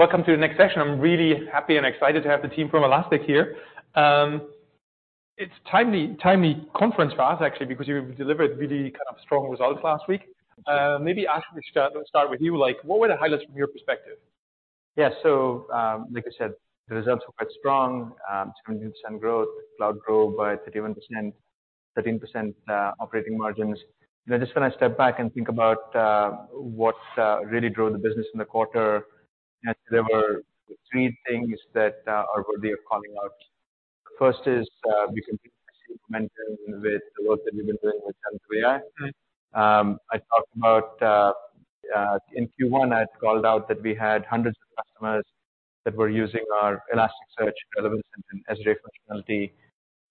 Welcome to the next session. I'm really happy and excited to have the team from Elastic here. It's timely conference for us, actually, because you've delivered really kind of strong results last week. Maybe, Ash, we should start with you, like, what were the highlights from your perspective? Yeah. So, like I said, the results were quite strong, 20% growth, cloud grew by 31%, 13% operating margins. And I just wanna step back and think about what really drove the business in the quarter. And there were three things that are worthy of calling out. First is, we continue to see momentum with the work that we've been doing with AI. I talked about in Q1, I had called out that we had hundreds of customers that were using our Elasticsearch relevance and RAG functionality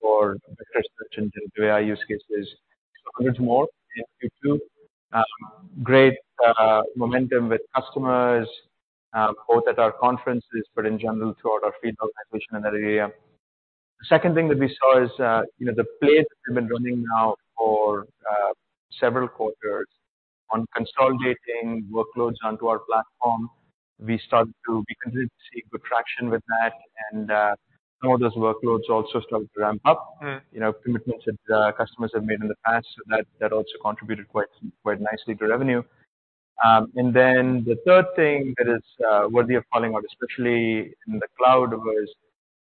for retrieval engine AI use cases. So hundreds more in Q2. Great momentum with customers, both at our conferences, but in general, throughout our feedback traction in that area. The second thing that we saw is, you know, the plays we've been running now for several quarters on consolidating workloads onto our platform. We continue to see good traction with that, and some of those workloads also started to ramp up. Mm. You know, commitments that customers have made in the past, so that also contributed quite nicely to revenue. And then the third thing that is worthy of calling out, especially in the cloud, was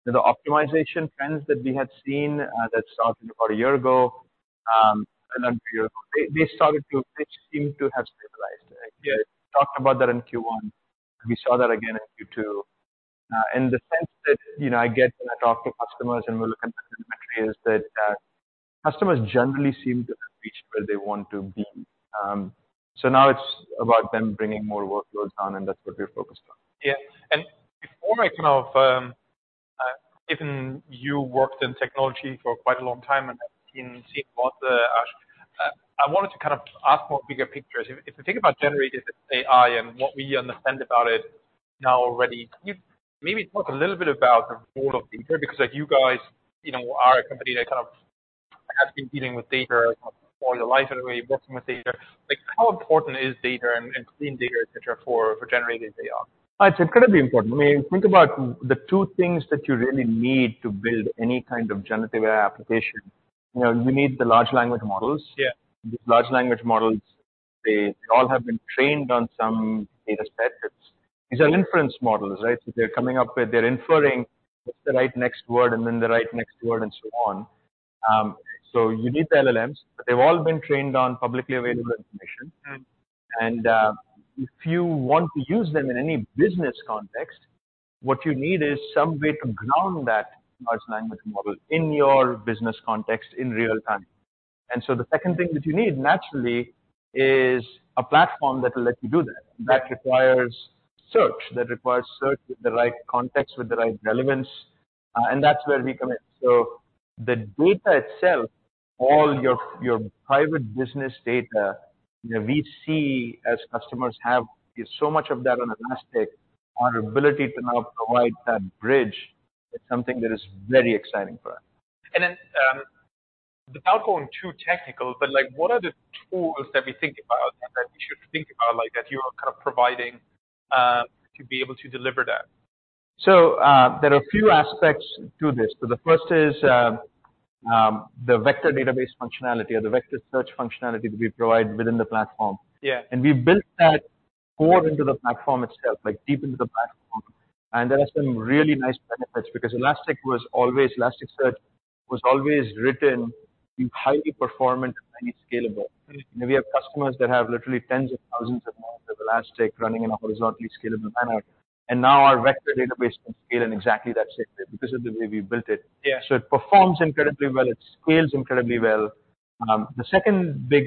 the optimization trends that we had seen that started about a year ago, and not a year ago. They seem to have stabilized. Yeah. Talked about that in Q1, and we saw that again in Q2. And the sense that, you know, I get when I talk to customers and we're looking at the metrics is that, customers generally seem to have reached where they want to be. So now it's about them bringing more workloads on, and that's what we're focused on. Yeah. And before I kind of... Given you worked in technology for quite a long time and have seen what, Ash, I wanted to kind of ask more bigger pictures. If we think about generative AI and what we understand about it now already, can you maybe talk a little bit about the role of data? Because, like, you guys, you know, are a company that kind of has been dealing with data all your life, in a way, working with data. Like, how important is data and clean data, et cetera, for generative AI? It's incredibly important. I mean, think about the two things that you really need to build any kind of generative AI application. You know, we need the large language models. Yeah. These large language models, they all have been trained on some data set. These are inference models, right? So they're coming up with... They're inferring what's the right next word and then the right next word and so on. So you need the LLMs, but they've all been trained on publicly available information. Mm. If you want to use them in any business context, what you need is some way to ground that large language model in your business context in real time. And so the second thing that you need, naturally, is a platform that will let you do that. Yeah. That requires search. That requires search with the right context, with the right relevance, and that's where we come in. So the data itself, all your, your private business data, you know, we see as customers have so much of that on Elastic, our ability to now provide that bridge is something that is very exciting for us. And then, without going too technical, but like, what are the tools that we think about and that we should think about like that you are kind of providing, to be able to deliver that? So, there are a few aspects to this. So the first is, the vector database functionality or the vector search functionality that we provide within the platform. Yeah. We built that core into the platform itself, like, deep into the platform. There are some really nice benefits because Elastic was always... Elasticsearch was always written to be highly performant and highly scalable. Mm. We have customers that have literally tens of thousands of nodes of Elastic running in a horizontally scalable manner, and now our vector database can scale in exactly that same way because of the way we built it. Yeah. So it performs incredibly well. It scales incredibly well. The second big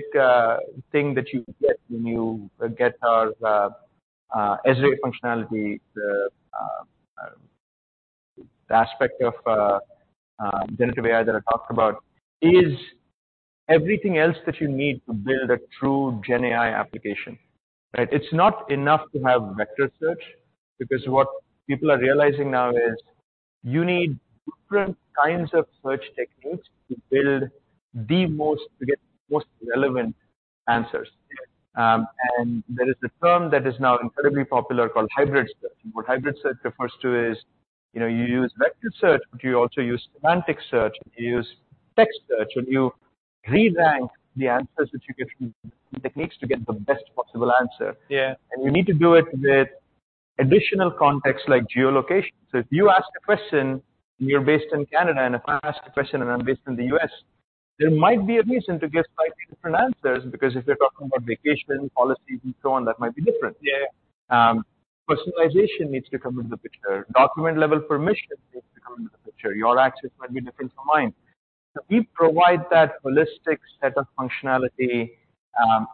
thing that you get when you get our X-ray functionality, the aspect of generative AI that I talked about, is everything else that you need to build a true GenAI application, right? It's not enough to have vector search, because what people are realizing now is you need different kinds of search techniques to build the most, to get the most relevant answers. Yeah. And there is a term that is now incredibly popular called hybrid search. What hybrid search refers to is, you know, you use vector search, but you also use semantic search, you use text search, and, you re-rank the answers that you get from the techniques to get the best possible answer. Yeah. You need to do it with additional context, like geolocation. So if you ask a question and you're based in Canada, and if I ask a question and I'm based in the U.S., there might be a reason to get slightly different answers, because if they're talking about vacation policies and so on, that might be different. Yeah. Personalization needs to come into the picture. Document-level permission needs to come into the picture. Your access might be different from mine. So we provide that holistic set of functionality,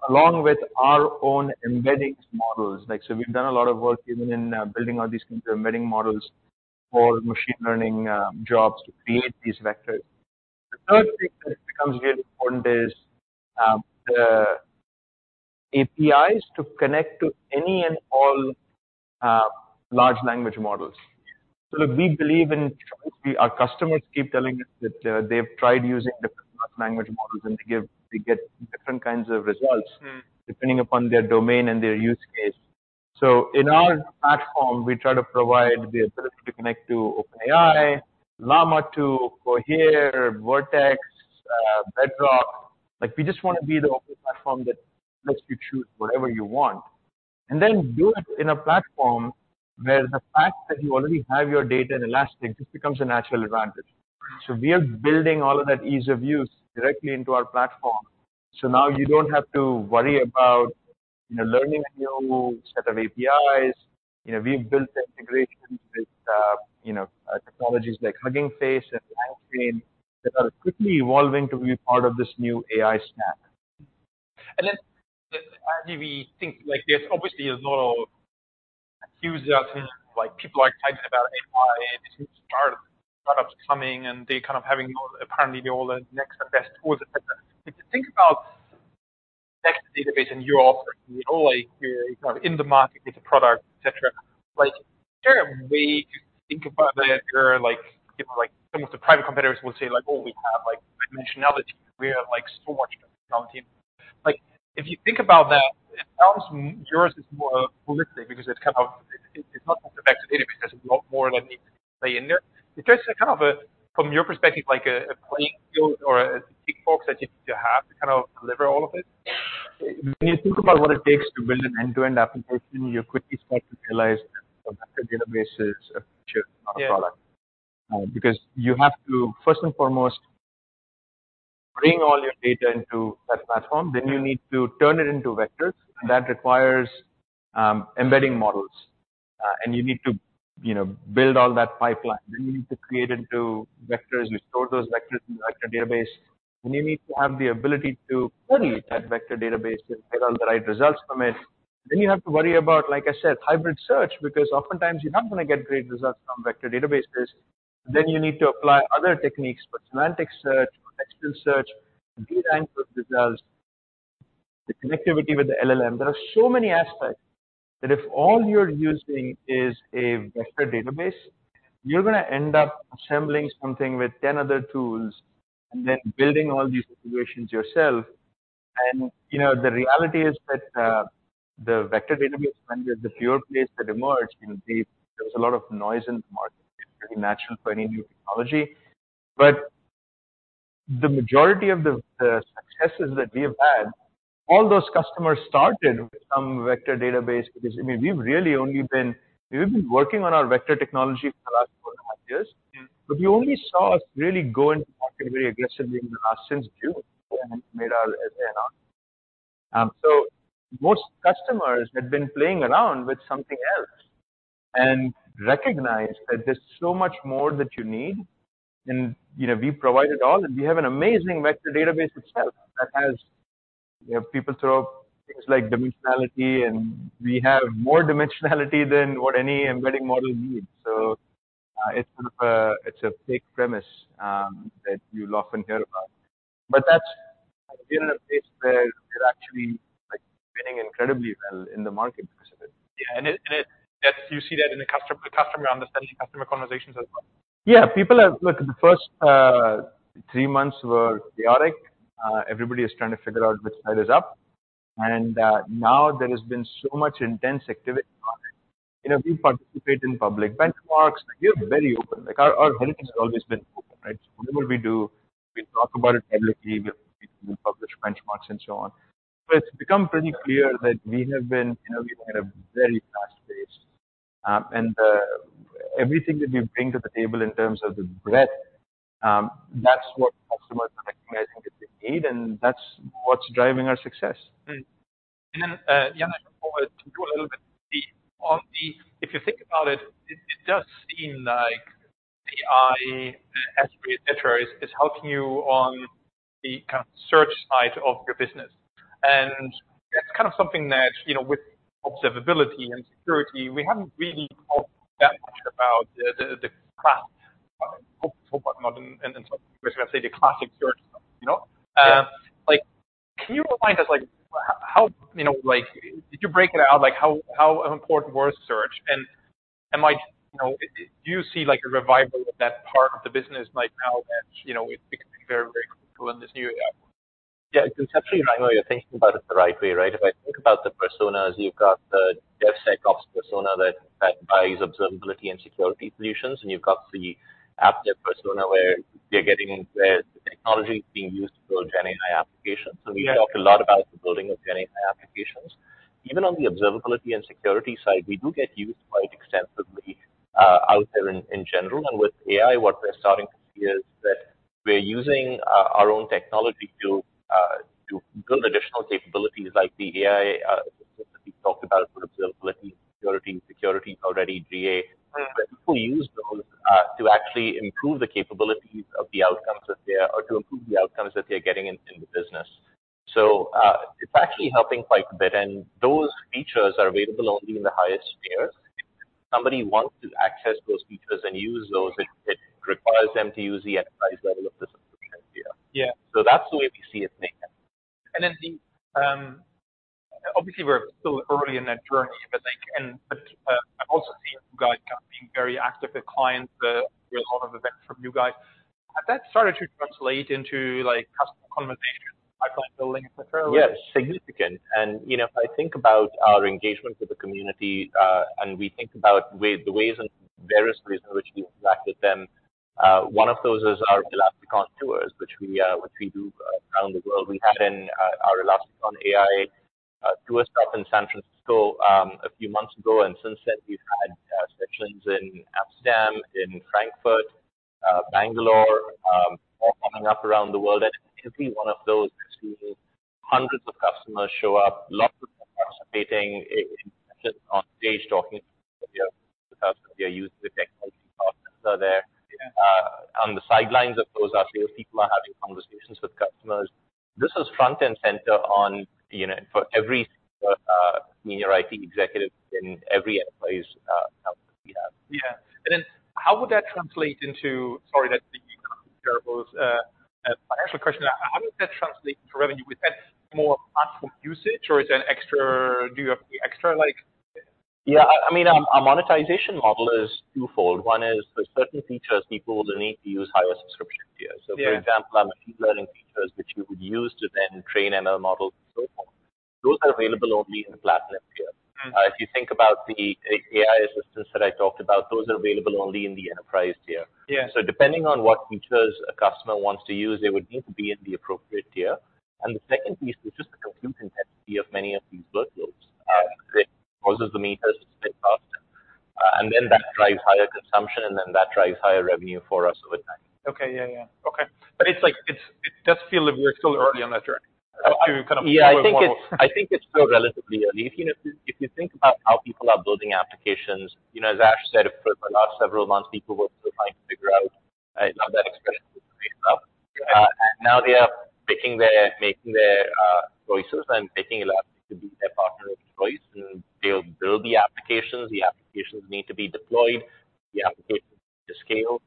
along with our own embedding models. Like, so we've done a lot of work even in building out these embedding models for machine learning jobs to create these vectors. Yeah. The third thing that becomes really important is the APIs to connect to any and all large language models. So look, we believe in choice. Our customers keep telling us that they've tried using different large language models and to give they get different kinds of results. Mm. - depending upon their domain and their use case. So in our platform, we try to provide the ability to connect to OpenAI, Llama 2, Cohere, Vertex, Bedrock. Like, we just want to be the open platform that lets you choose whatever you want, and then do it in a platform where the fact that you already have your data in Elastic just becomes a natural advantage. So we are building all of that ease of use directly into our platform. So now you don't have to worry about, you know, learning a new set of APIs. You know, we've built integrations with, you know, technologies like Hugging Face and LangChain that are quickly evolving to be part of this new AI stack. Then actually we think, like, there obviously is a lot of enthusiasm, like people are excited about AI and different startups coming, and they're kind of having apparently they're all the next best tool, et cetera. If you think about vector database and you're offering, you know, like, you're kind of in the market with the product, et cetera. Like, is there a way to think about that you're like... People like some of the private competitors will say, like, "Oh, we have like dimensionality. We have like so much dimensionality." Like, if you think about that, it sounds yours is more holistic because it's kind of, it, it's not just the vector database, there's a lot more like play in there. Is there kind of a, from your perspective, like a playing field or a toolbox that you need to have to kind of deliver all of it? When you think about what it takes to build an end-to-end application, you quickly start to realize that the vector database is a feature, not a product. Yeah. Because you have to first and foremost, bring all your data into that platform. Then you need to turn it into vectors, that requires, embedding models, and you need to, you know, build all that pipeline. Then you need to create into vectors. You store those vectors in the vector database, then you need to have the ability to query that vector database and get all the right results from it. Then you have to worry about, like I said, hybrid search, because oftentimes you're not going to get great results from vector databases. Then you need to apply other techniques for semantic search, for textual search, re-rank with results, the connectivity with the LLM. There are so many aspects that if all you're using is a vector database, you're going to end up assembling something with 10 other tools and then building all these integrations yourself. You know, the reality is that the vector database, when the pure plays that emerged, you know, there was a lot of noise in the market, pretty natural for any new technology. But the majority of the successes that we have had, all those customers started with some vector database, because, I mean, we've really only been working on our vector technology for the last 4.5 years. Mm. But you only saw us really go into the market very aggressively in the last... since June, and made our announcement. So most customers had been playing around with something else and recognized that there's so much more that you need, and, you know, we provide it all. And we have an amazing vector database itself that has... You know, people throw up things like dimensionality, and we have more dimensionality than what any embedding model needs. So, it's kind of a, it's a fake premise, that you'll often hear about. But that's, we're in a place where we're actually, like, doing incredibly well in the market because of it. Yeah, and it... Do you see that in the customer understanding, customer conversations as well? Yeah, people have, look, the first three months were chaotic. Everybody is trying to figure out which side is up, and now there has been so much intense activity on it. You know, we participate in public benchmarks. We are very open. Like, our homepage has always been open, right? So whatever we do, we talk about it publicly, we publish benchmarks and so on. But it's become pretty clear that we have been innovating at a very fast pace, and everything that we bring to the table in terms of the breadth, that's what customers are recognizing that they need, and that's what's driving our success. And then, yeah, to do a little bit on the... If you think about it, it does seem like AI, ESRE, et cetera, is helping you on the kind of search side of your business. And that's kind of something that, you know, with observability and security, we haven't really talked that much about the class. Hope, hope I'm not... And I say the classic search, you know? Yeah. Like, can you remind us, like how, you know, like, did you break it out, like how, how important was search? And am I... You know, do you see like a revival of that part of the business right now that, you know, it's becoming very, very critical in this new era? Yeah, it's actually, I know you're thinking about it the right way, right? If I think about the personas, you've got the DevSecOps persona that, that buys observability and security solutions, and you've got the app dev persona, where they're getting the technology being used to build gen AI applications. Yeah. So we talked a lot about the building of gen AI applications. Even on the observability and security side, we do get used quite extensively out there in general. And with AI, what we're starting to see is that we're using our own technology to build additional capabilities like the AI that we talked about for observability, security already GA. Mm. People use those to actually improve the capabilities of the outcomes or to improve the outcomes that they're getting in the business. So, it's actually helping quite a bit, and those features are available only in the highest spheres. If somebody wants to access those features and use those, it requires them to use the enterprise level of the system. Yeah. That's the way we see it making. And then, obviously, we're still early in that journey, but like, I've also seen you guys being very active with clients. I hear a lot of events from you guys. Has that started to translate into, like, customer conversations, pipeline building, et cetera? Yes, significant. And, you know, if I think about our engagement with the community, and we think about the various ways in which we interacted them, one of those is our ElasticON Tours, which we do around the world. We had our ElasticON AI tour stop in San Francisco a few months ago, and since then, we've had sessions in Amsterdam, in Frankfurt, Bangalore, all coming up around the world. At every one of those, we see hundreds of customers show up, lots of participating on stage talking with their customers. They are using the technology. Partners are there. Yeah. On the sidelines of those, our sales people are having conversations with customers. This is front and center on, you know, for every senior IT executive in every enterprise account that we have. Yeah. Then how would that translate into... Sorry, that's terrible. My actual question, how does that translate to revenue? Is that more platform usage, or is it an extra, do you have any extra, like? Yeah, I mean, our monetization model is twofold. One is, for certain features, people will need to use higher subscription tiers. Yeah. For example, on the learning features, which you would use to then train ML models and so on, those are available only in the Platinum tier. Mm. If you think about the AI assistants that I talked about, those are available only in the Enterprise tier. Yeah Depending on what features a customer wants to use, they would need to be in the appropriate tier. The second piece is just the compute intensity of many of these workloads. It causes the meters to tick faster, and then that drives higher consumption, and then that drives higher revenue for us over time. Okay. Yeah, yeah. Okay. But it's like, it does feel that we're still early on that journey to kind of. Yeah, I think it's still relatively early. You know, if you think about how people are building applications, you know, as Ash said, for the last several months, people were still trying to figure out how that experience is great up. Yeah. Now they are making their choices and picking Elastic to be their partner of choice, and they'll build the applications. The applications need to be deployed, the applications to scale.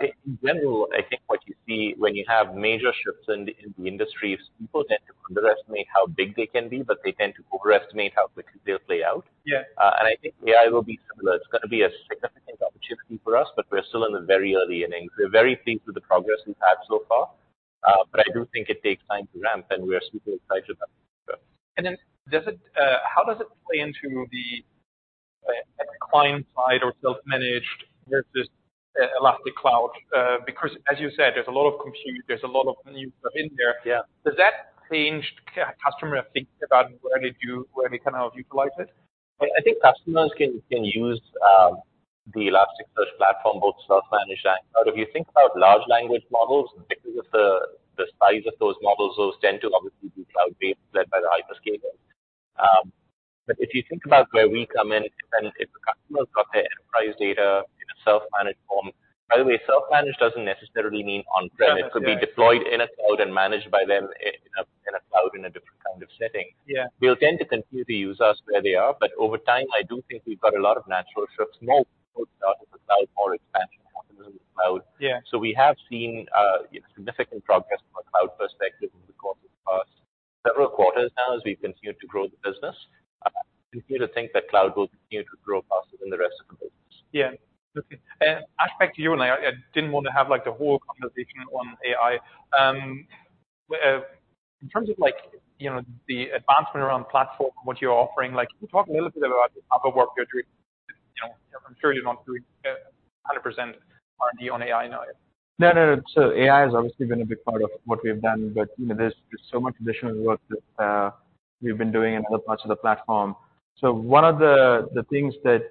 In general, I think what you see when you have major shifts in the industries, people tend to underestimate how big they can be, but they tend to overestimate how quickly they'll play out. Yeah. I think AI will be similar. It's going to be a significant opportunity for us, but we're still in the very early innings. We're very pleased with the progress we've had so far, but I do think it takes time to ramp, and we are super excited about it. And then, does it play into the client side or self-managed versus Elastic Cloud? Because as you said, there's a lot of compute, there's a lot of new stuff in there. Yeah. Does that change customer thinking about where they do, where they kind of utilize it? I think customers can use the Elasticsearch platform, both self-managed and cloud. If you think about large language models, because of the size of those models, those tend to obviously be cloud-based, led by the hyperscaler. But if you think about where we come in, and if a customer's got their enterprise data in a self-managed form, by the way, self-managed doesn't necessarily mean on-prem. Yeah. It could be deployed in a cloud and managed by them in a cloud, in a different kind of setting. Yeah. We'll tend to continue to use AWS where they are, but over time, I do think we've got a lot of natural shifts, more out of the cloud, more expansion happening in the cloud. Yeah. We have seen significant progress from a cloud perspective over the course of the past several quarters now, as we continue to grow the business. I continue to think that cloud will continue to grow faster than the rest of the business. Yeah. Okay. Ash, back to you, and I didn't want to have, like, the whole conversation on AI. In terms of like, you know, the advancement around platform, what you're offering, like, can you talk a little bit about the other work you're doing? You know, I'm sure you're not doing 100% R&D on AI now. No, no. So AI has obviously been a big part of what we have done, but, you know, there's so much additional work that we've been doing in other parts of the platform. So one of the things that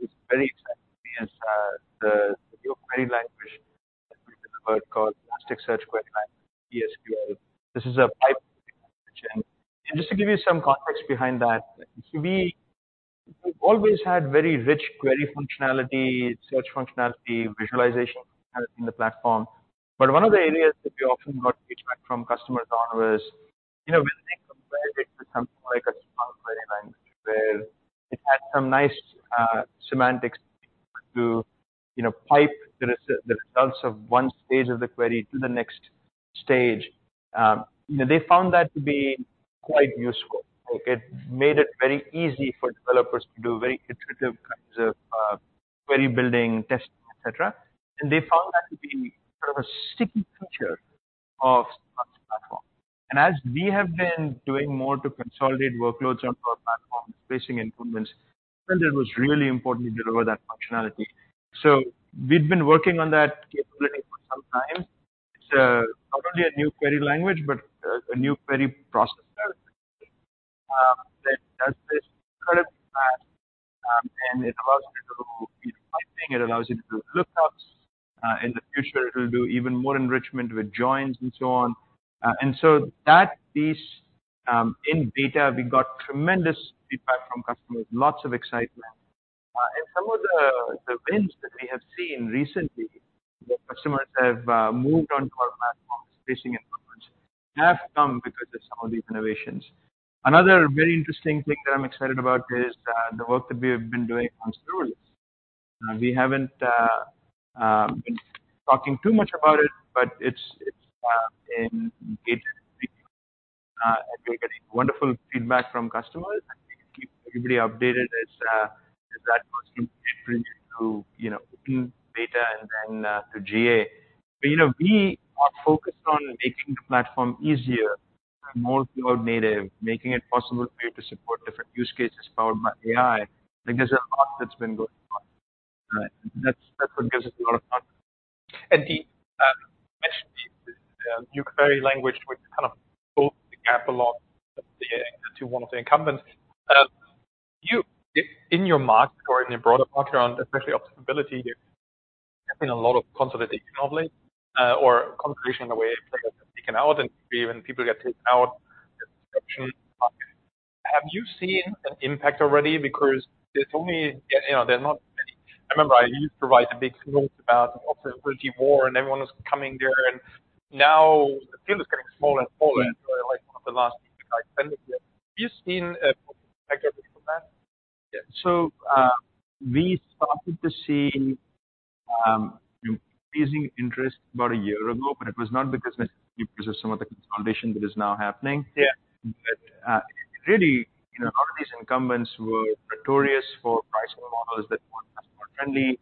is very exciting to me is the new query language that we delivered called Elasticsearch Query Language, ES|QL. This is a pipe, and just to give you some context behind that, we always had very rich query functionality, search functionality, visualization functionality in the platform. But one of the areas that we often got feedback from customers on was, you know, something like a small query language, where it had some nice semantics to, you know, pipe the results of one stage of the query to the next stage. You know, they found that to be quite useful. It made it very easy for developers to do very iterative kinds of query building, testing, et cetera. And they found that to be sort of a sticky feature of our platform. And as we have been doing more to consolidate workloads on our platform, spacing improvements, and it was really important to deliver that functionality. So we've been working on that capability for some time. It's not only a new query language, but a new query processor that does this kind of... And it allows you to do piping, it allows you to do lookups. In the future, it'll do even more enrichment with joins and so on. And so that piece, in beta, we got tremendous feedback from customers, lots of excitement. Some of the wins that we have seen recently, where customers have moved on to our platform, significant improvements have come because of some of these innovations. Another very interesting thing that I'm excited about is the work that we have been doing on storage. We haven't been talking too much about it, but it's in, we're getting wonderful feedback from customers, and we keep everybody updated as that goes from preview to, you know, beta and then to GA. But, you know, we are focused on making the platform easier, more cloud native, making it possible for you to support different use cases powered by AI. I think there's a lot that's been going on, that's what gives us a lot of confidence. And the question, you query language, which kind of closed the gap a lot to one of the incumbents. In your market or in your broader market around especially observability, there have been a lot of consolidation of late, or consolidation in a way that taken out, and even people get taken out option. Have you seen an impact already? Because there's only, you know, there's not many. I remember you provided a big note about observability war, and everyone was coming there, and now the field is getting smaller and smaller, like one of the last years. Have you seen an impact of that? Yeah. So, we started to see increasing interest about a year ago, but it was not necessarily because of some of the consolidation that is now happening. Yeah. But really, you know, a lot of these incumbents were notorious for pricing models that weren't customer friendly.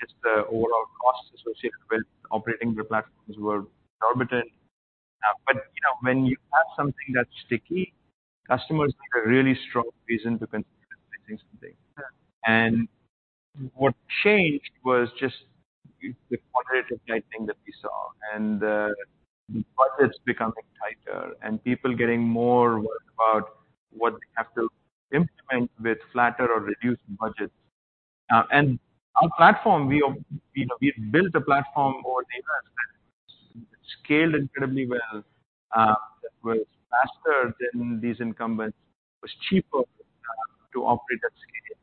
Just the overall costs associated with operating the platforms were exorbitant. But you know, when you have something that's sticky, customers need a really strong reason to consider something. Yeah. What changed was just the quantitative tightening that we saw and the budgets becoming tighter and people getting more worried about what they have to implement with flatter or reduced budgets. And our platform, we have, you know, we've built a platform over the years that scaled incredibly well, that was faster than these incumbents, was cheaper to operate at scale.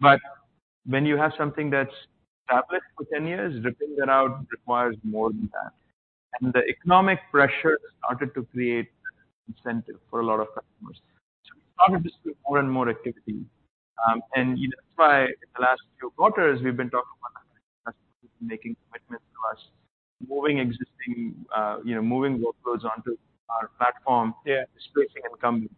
But when you have something that's established for 10 years, ripping that out requires more than that. And the economic pressure started to create incentive for a lot of customers. So we started to see more and more activity. And, you know, that's why in the last few quarters, we've been talking about making commitments to us, moving existing, you know, moving workloads onto our platform- Yeah. Displacing incumbent.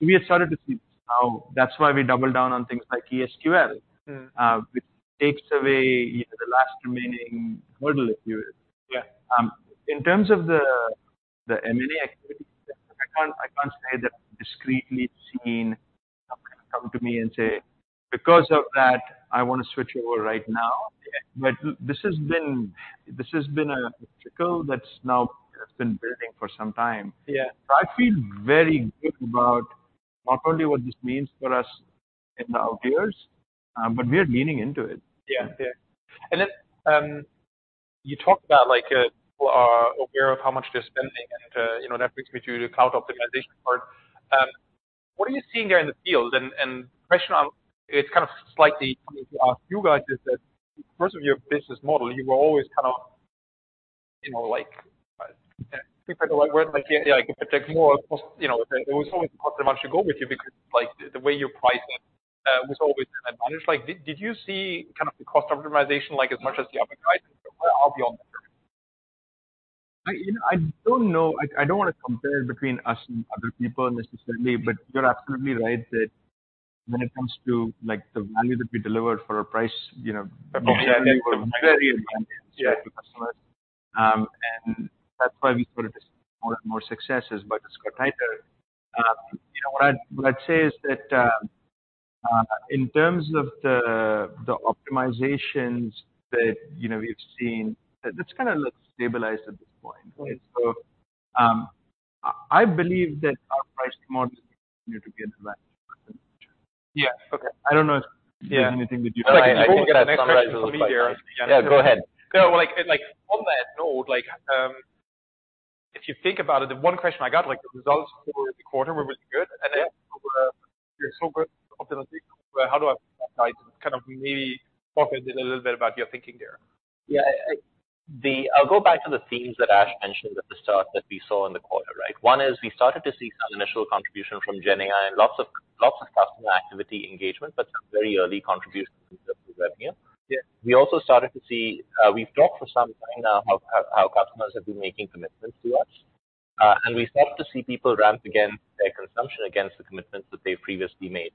We have started to see how... That's why we doubled down on things like ESQL Mm. which takes away, you know, the last remaining hurdle, if you will. Yeah. In terms of the M&A activity, I can't say that I've discreetly seen someone come to me and say, "Because of that, I want to switch over right now. Yeah. But this has been a trickle that's now has been building for some time. Yeah. I feel very good about not only what this means for us in the out years, but we are leaning into it. Yeah. Yeah. And then, you talked about, like, people are aware of how much they're spending, and, you know, that brings me to the cloud optimization part. What are you seeing there in the field? And question, it's kind of slightly to ask you guys, is that first of your business model, you were always kind of, you know, like, pick the right word, like, yeah, I could take more. You know, it was always possible months ago with you because, like, the way you priced it, was always an advantage. Like, did, did you see kind of the cost optimization, like, as much as the other guys, or how are you all? You know, I don't know. I don't want to compare between us and other people necessarily, but you're absolutely right that when it comes to, like, the value that we delivered for a price, you know- Yeah. That's why we saw more and more successes. It's got tighter. You know, what I'd say is that, in terms of the optimizations that, you know, we've seen, that's kinda looks stabilized at this point. Right. So, I believe that our price model continue to get better. Yeah. Okay. I don't know if there's anything that you- Yeah, go ahead. No, like, like, on that note, like, if you think about it, the one question I got, like, the results for the quarter were really good, and then you're so good optimistic. How do I kind of maybe talk a little bit about your thinking there? Yeah. I'll go back to the themes that Ash mentioned at the start that we saw in the quarter, right? One is we started to see some initial contribution from GenAI and lots of, lots of customer activity engagement, but some very early contributions in terms of revenue. Yeah. We also started to see, we've talked for some time now how customers have been making commitments to us, and we start to see people ramp against their consumption, against the commitments that they previously made.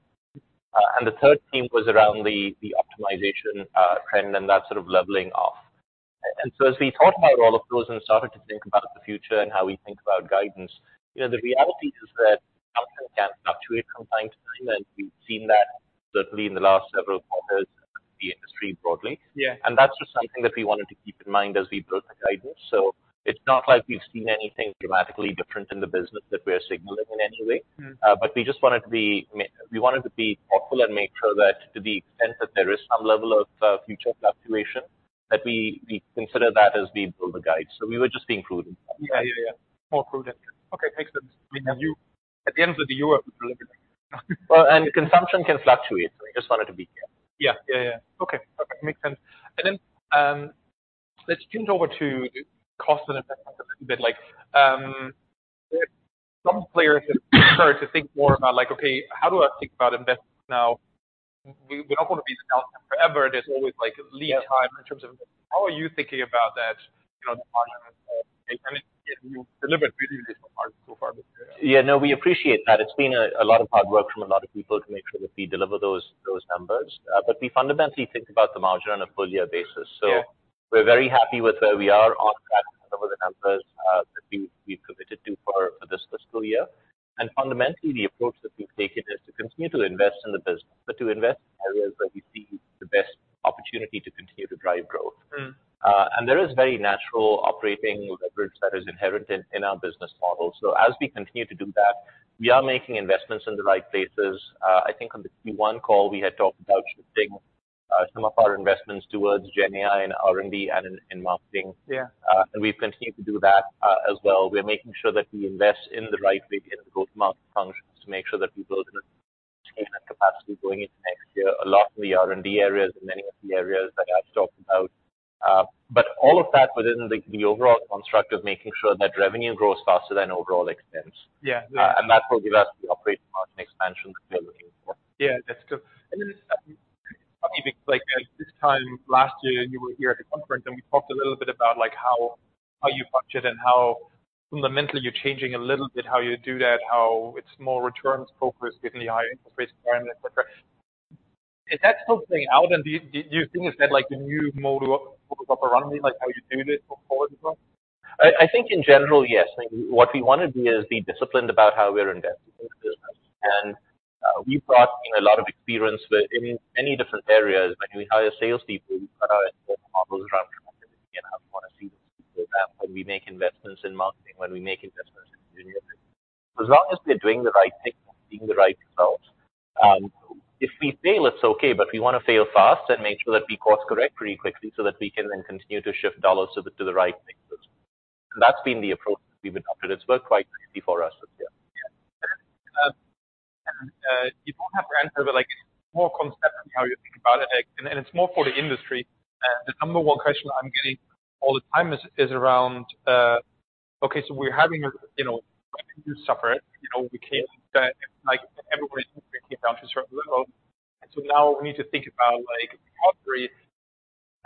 And the third theme was around the optimization, trend, and that sort of leveling off. And so as we thought about all of those and started to think about the future and how we think about guidance, you know, the reality is that customers can fluctuate from time to time, and we've seen that certainly in the last several quarters, the industry broadly. Yeah. That's just something that we wanted to keep in mind as we built the guidance. It's not like we've seen anything dramatically different in the business that we are signaling in any way. Mm. But we just wanted to be... We wanted to be thoughtful and make sure that to the extent that there is some level of future fluctuation, that we consider that as we build the guide. So we were just being prudent. Yeah. Yeah, yeah, more prudent. Okay, makes sense. I mean, have you-... at the end of the year, we believe it. Well, and consumption can fluctuate. We just wanted to be clear. Yeah. Yeah, yeah. Okay. Perfect. Makes sense. And then, let's turn over to cost and effect a little bit like, some players have started to think more about, like, okay, how do I think about investments now? We don't want to be forever. There's always, like, lead time in terms of... How are you thinking about that, you know, the market? And you delivered really, really so far. Yeah, no, we appreciate that. It's been a lot of hard work from a lot of people to make sure that we deliver those numbers. But we fundamentally think about the margin on a full year basis. Yeah. So we're very happy with where we are on that, some of the numbers that we've committed to for this fiscal year. Fundamentally, the approach that we've taken is to continue to invest in the business, but to invest in areas where we see the best opportunity to continue to drive growth. Mm. There is very natural operating leverage that is inherent in our business model. As we continue to do that, we are making investments in the right places. I think on the Q1 call, we had talked about shifting some of our investments towards GenAI and R&D and in marketing. Yeah. We've continued to do that, as well. We're making sure that we invest in the right way in the growth market functions to make sure that we build in that capacity going into next year. A lot in the R&D areas and many of the areas that I've talked about. But all of that within the overall construct of making sure that revenue grows faster than overall expense. Yeah. That will give us the operating margin expansion that we're looking for. Yeah, that's good. And then, like this time last year, you were here at the conference, and we talked a little bit about, like, how you budget and how fundamentally you're changing a little bit, how you do that, how it's more returns focused, given the high interest rate environment, et cetera. Is that still playing out, and do you think is that like the new modus operandi, like how you do this going forward as well? I think in general, yes. What we want to be is be disciplined about how we're investing in the business. And we've brought in a lot of experience with in many different areas. When we hire sales people, we've got our models around, and I want to see that. When we make investments in marketing, when we make investments in engineering. As long as we're doing the right thing, seeing the right results, if we fail, it's okay, but we want to fail fast and make sure that we course correct pretty quickly so that we can then continue to shift dollars to the, to the right things. That's been the approach that we've been offered. It's worked quite quickly for us. So, yeah. Yeah. And you don't have to answer, but like, more conceptually, how you think about it, and it's more for the industry. The number one question I'm getting all the time is around... Okay, so we're having a, you know, suffer, you know, we can't, like, everybody came down to a certain level. And so now we need to think about, like,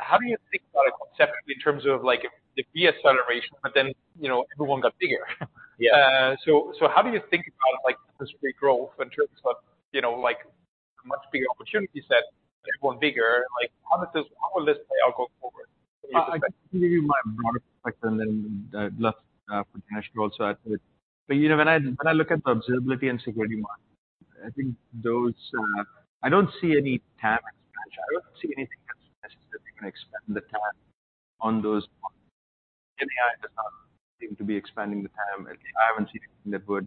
how do you think about it conceptually in terms of, like, the deceleration, but then, you know, everyone got bigger? Yeah. So, how do you think about, like, this regrowth in terms of, you know, like, a much bigger opportunity set, ever bigger? Like, how does this, how will this play out going forward? I give you my broader perspective, and then left for national also. But, you know, when I look at the observability and security model, I think those, I don't see any TAM expansion. I don't see anything that's necessarily going to expand the TAM on those. AI does not seem to be expanding the TAM. I haven't seen anything that would.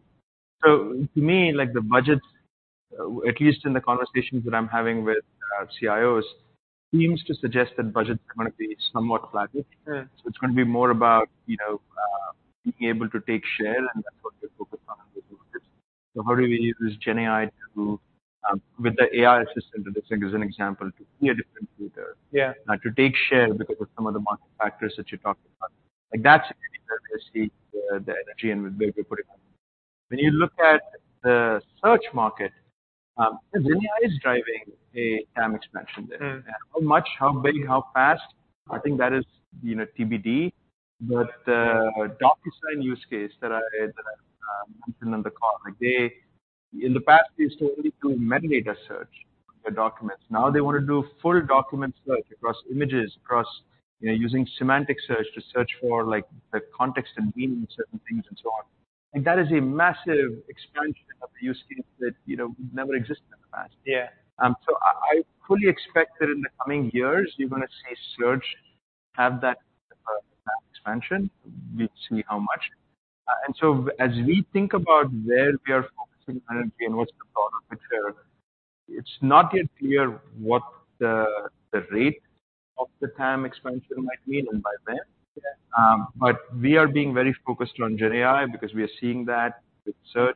So to me, like, the budgets, at least in the conversations that I'm having with CIOs, seems to suggest that budgets are going to be somewhat flat. Yeah. So it's going to be more about, you know, being able to take share, and that's what we're focused on. So how do we use GenAI to, with the AI assistant, I think, as an example, to be a different computer? Yeah. Now, to take share because of some of the market factors that you talked about, like, that's where I see the energy and where to put it. When you look at the search market, GenAI is driving a TAM expansion there. Mm. How much, how big, how fast? I think that is, you know, TBD. But, DocuSign use case that I mentioned on the call, like they In the past, they used to only do metadata search for documents. Now they want to do full document search across images, across, you know, using semantic search to search for like the context and meaning of certain things and so on. And that is a massive expansion of the use case that, you know, never existed in the past. Yeah. So I fully expect that in the coming years you're going to see search have that expansion. We'll see how much. And so as we think about where we are focusing energy and what's the product mixture, it's not yet clear what the rate of the TAM expansion might mean and by when. Yeah. But we are being very focused on GenAI because we are seeing that with search,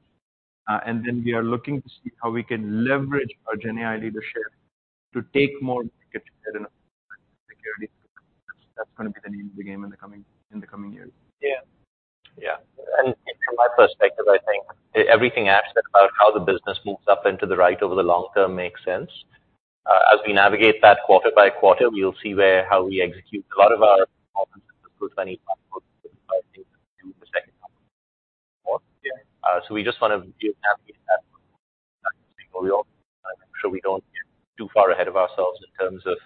and then we are looking to see how we can leverage our GenAI leadership to take more security. That's, that's going to be the name of the game in the coming, in the coming years. Yeah. Yeah. And from my perspective, I think everything Ashutosh about how the business moves up into the right over the long term makes sense. As we navigate that quarter by quarter, we'll see where, how we execute a lot of our 25%. So we just want to navigate that. I'm sure we don't get too far ahead of ourselves in terms of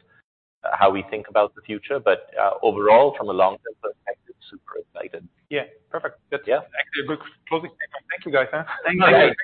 how we think about the future, but, overall, from a long-term perspective, super excited. Yeah. Perfect. Yeah. Good. Closing. Thank you, guys. Thanks, guys.